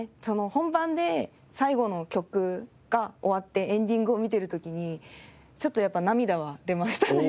本番で最後の曲が終わってエンディングを見てる時にちょっとやっぱり涙は出ましたね。